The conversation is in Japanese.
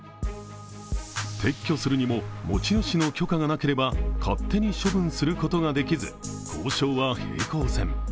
撤去するにも、持ち主の許可がなければ勝手に処分することができず交渉は平行線。